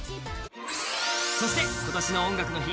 そして今年の「音楽の日」